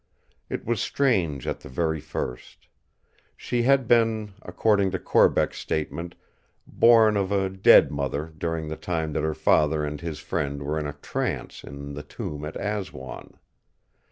It was strange at the very first. She had been, according to Corbeck's statement, born of a dead mother during the time that her father and his friend were in a trance in the tomb at Aswan.